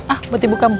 ah buat ibu kamu